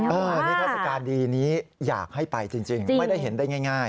นี่ทัศกาลดีนี้อยากให้ไปจริงไม่ได้เห็นได้ง่าย